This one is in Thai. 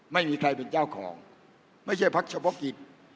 ไม่มีใครเป็นเจ้าของไม่ใช่พักเฉพาะกิจ